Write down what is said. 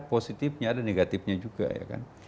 positifnya ada negatifnya juga ya kan